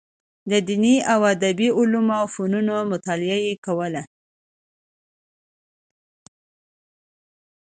د دیني او ادبي علومو او فنونو مطالعه یې کوله.